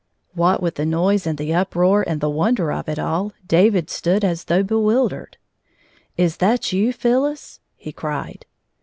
149 What with the noise and the nproar and the wonder of it all, David stood as though bewil dered. "Is that you, Phyllis 1" he cried.